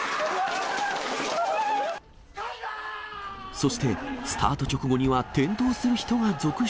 そして、スタート直後には転倒する人が続出。